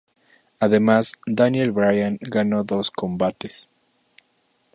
Además, Daniel Bryan ganó dos combates.